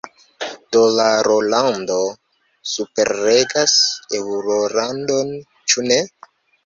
Dolarolando superregas eŭrolandon – ĉu ne?